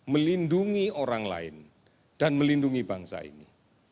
melindungi orang lain dan melindungi bangsa ini